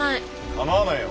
かまわないよ。